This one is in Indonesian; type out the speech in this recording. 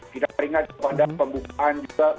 kita ingat pada pembukaan juga